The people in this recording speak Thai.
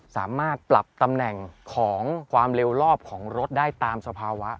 สามารถปรับตำแหน่งของความเร็วรอบของรถได้ตามสภาวะ